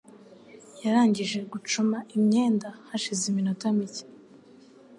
Yarangije gucuma imyenda hashize iminota mike.